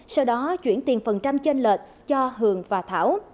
sau đó chuyển tiền phần trăm trên lệch cho hường và thảo